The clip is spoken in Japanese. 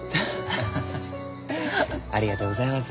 ハハッ！ありがとうございます。